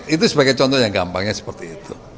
itu sebagai contoh yang gampangnya seperti itu